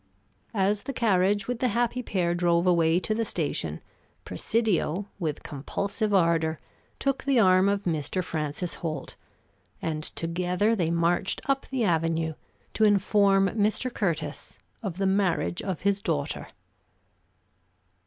As the carriage with the happy pair drove away to the station, Presidio, with compulsive ardor, took the arm of Mr. Francis Holt; and together they marched up the avenue to inform Mr. Curtis of the marriage of his daughter.